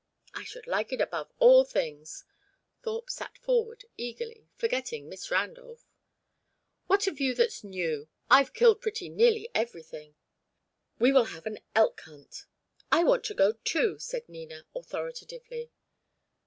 "I should like it above all things." Thorpe sat forward eagerly, forgetting Miss Randolph. "What have you that's new? I've killed pretty nearly everything." "We will have an elk hunt." "I want to go, too," said Nina, authoritatively.